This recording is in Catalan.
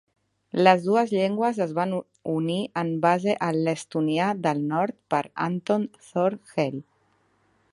Les dues llengües es van unir en base a l'estonià del nord per Anton thor Helle.